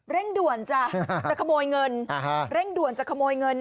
เร่งด่วนจ้ะจะขโมยเงิน